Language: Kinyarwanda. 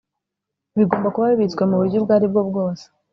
Bigomba kuba bibitswe mu buryo ubwo ari bwo bwose